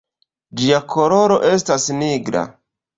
Ĝia koloro estas nigra.